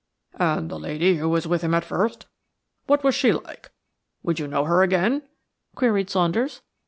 "And the lady who was with him at first, what was she like? Would you know her again?" queried Saunders.